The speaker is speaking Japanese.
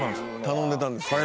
頼んでたんですか？